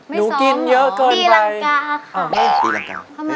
หนูกินเยอะเกินไปตีรังกากค่ะทำไมล่ะลูก